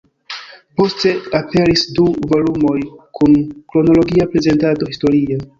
Poste aperis du volumoj kun kronologia prezentado historia.